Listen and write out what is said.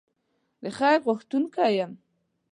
د خیر غوښتونکی یم.